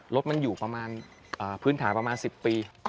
รถมันอยู่ประมาณพื้นฐานประมาณ๑๐ปี